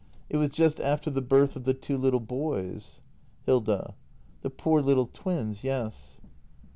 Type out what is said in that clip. It was just after the birth of the two little boys Hilda. The poor little twins, yes.